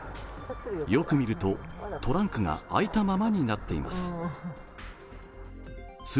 よく見ると、トランクが開いたままになっています。